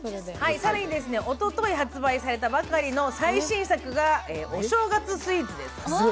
さらにおととい発売されたばかりの新作がお正月スイーツです。